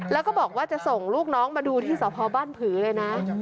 แล้วก็บอกว่าจะส่งลูกน้องมาดูที่สพบ้านผือเลยนะ